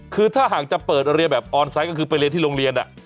คือถ้าหากจะเปิดเรียนแบบออนไซต์ก็คือไปเรียนที่โรงเรียน